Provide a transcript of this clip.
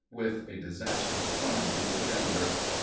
_" with a disastrous plunge into gender.